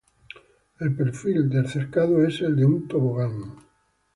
El perfil del Cercado es el de un tobogán.